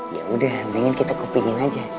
yaudah mendingan kita kupingin aja